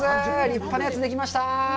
立派なやつができました。